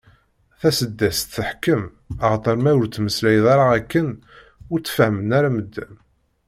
Taseddast teḥkem, axaṭer ma ur tettmeslayeḍ ara akken ur tt-fehmen ara medden.